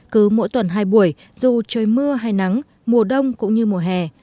cứ mỗi tuần hai buổi dù trời mưa hay nắng mùa đông cũng như mùa hè